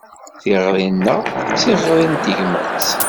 Tiɣri-nneɣ d tiɣri n tegmat.